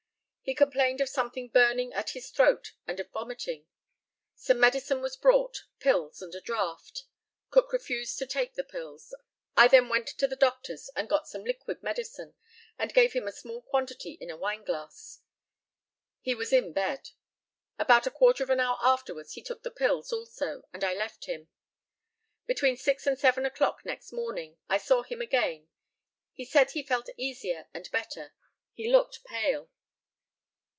He complained of something burning at his throat and of vomiting. Some medicine was brought, pills and a draught. Cook refused to take the pills. I then went to the doctor's and got some liquid medicine, and gave him a small quantity in a wineglass. He was in bed. About a quarter of an hour afterwards he took the pills also, and I left him. Between six and seven o'clock next morning I saw him again. He said he felt easier and better. He looked pale.